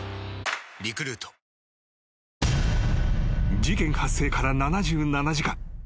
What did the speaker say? ［事件発生から７７時間。